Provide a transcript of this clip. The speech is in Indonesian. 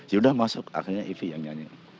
sudah masuk akhirnya ify yang nyanyi